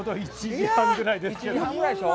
１時半ぐらいでしょ？